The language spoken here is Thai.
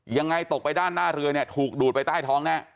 ยังไงตกไปด้านหน้าเรือเนี่ยถูกดูดไปใต้ท้องแน่